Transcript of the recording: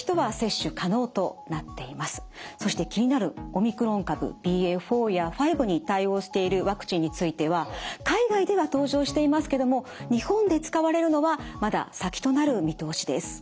そして気になるオミクロン株ＢＡ．４や５に対応しているワクチンについては海外では登場していますけども日本で使われるのはまだ先となる見通しです。